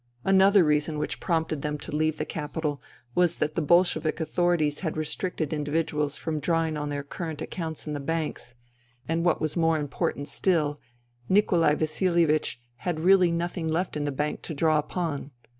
Another reason which prompted them to leave the capital was that the Bolshevik authorities had restricted individuals from drawing on their current accounts in the banks ; and what was more 116 FUTILITY important still, Nikolai Vasilievich had really no thing left in the bank to draw upon.